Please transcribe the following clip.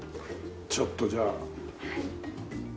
ちょっとじゃあ。